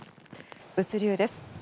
物流です。